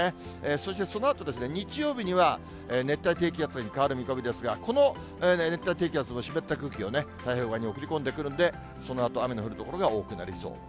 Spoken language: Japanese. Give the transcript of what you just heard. そしてそのあとですね、日曜日には、熱帯低気圧に変わる見込みですが、この熱帯低気圧の湿った空気をね、太平洋側に送り込んでくるので、そのあと、雨の降る所が多くなりそう。